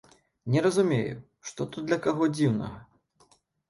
Не разумею, што тут для каго дзіўнага?